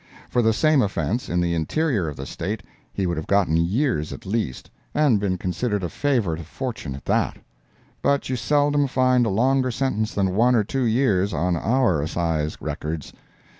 For the same offence, in the interior of the State, he would have gotten years at least, and been considered a favorite of Fortune at that. But you seldom find a longer sentence than one or two years on our Assize records.